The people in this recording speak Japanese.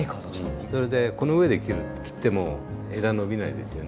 それでこの上で切っても枝伸びないですよね。